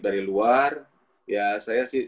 dari luar ya saya sih